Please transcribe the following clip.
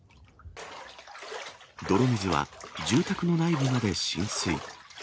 泥水は住宅の内部まで浸水。